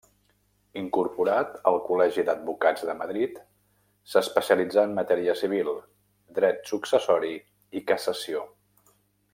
Incorporat al Col·legi d'Advocats de Madrid, s'especialitzà en matèria civil, dret successori i cassació.